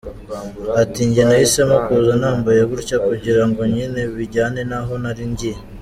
Ati “Njye nahisemo kuza nambaye gutya kugira ngo nyine bijyane n’aho nari ngiye.